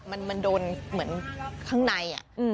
อืมมันโดนเหมือนข้างในอ่ะอืม